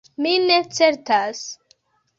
Mi ne certas.